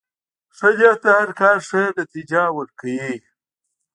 ښه نیت د هر کار ښه نتیجه ورکوي.